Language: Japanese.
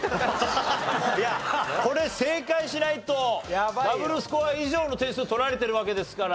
いやこれ正解しないとダブルスコア以上の点数取られてるわけですから。